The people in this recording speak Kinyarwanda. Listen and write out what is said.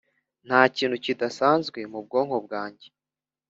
ntakintu kidasanzwe mubwonko bwanjye